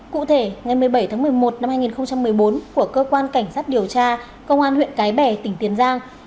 cụ thể ngày một mươi bảy tháng một mươi một năm hai nghìn một mươi bốn của cơ quan cảnh sát điều tra công an huyện cái bè tỉnh tiền giang